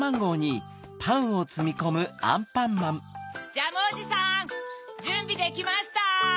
ジャムおじさんじゅんびできました。